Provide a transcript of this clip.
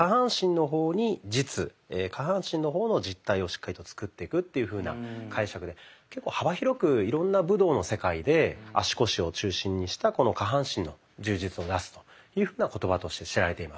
下半身の方の実体をしっかりと作っていくというふうな解釈で結構幅広くいろんな武道の世界で足腰を中心にした「下半身の充実をなす」というふうな言葉として知られています。